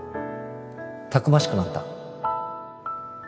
たくましくなった